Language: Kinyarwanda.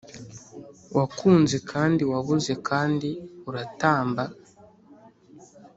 wakunze kandi wabuze kandi uratamba.